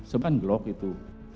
sebenarnya glock itu